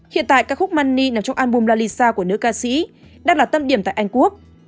hiện tại các khúc money nằm trong album lalisa của nữ ca sĩ đang là tâm điểm tại anh quốc